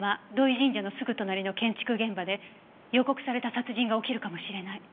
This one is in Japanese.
神社のすぐ隣の建築現場で予告された殺人が起きるかもしれない。